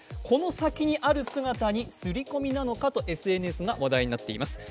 この先にある姿に、刷り込みなのかとＳＮＳで話題になっています。